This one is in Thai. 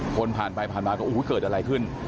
ผ่านไปผ่านมาก็เกิดอะไรขึ้น